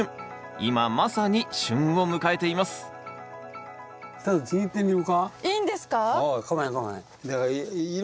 今まさに旬を迎えていますいいんですか？